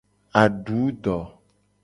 Adu do.